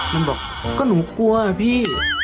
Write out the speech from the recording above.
มันบอกก็หนูกลัวอะพี่